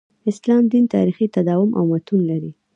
اسلام دین تاریخي تداوم او متون لري.